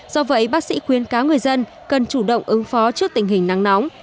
do vậy bác sĩ khuyên cáo người dân cần chủ động ứng phó trước tình hình nắng nóng